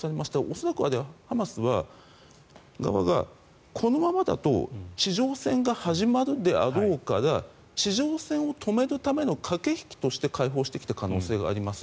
恐らくあれはハマス側がこのままだと地上戦が始まるであろうから地上戦を止めるための駆け引きとして解放してきた可能性があります。